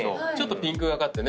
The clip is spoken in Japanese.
ピンクがかってね。